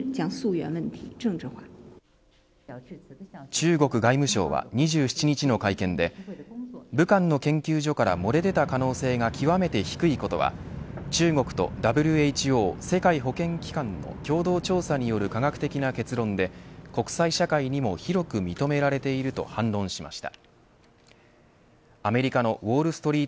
中国外務省は２７日の会見で武漢の研究所から漏れ出た可能性が極めて低いことは中国とＷＨＯ世界保健機関の共同調査による科学的な結論で国際社会にも広く認められていると反論しました。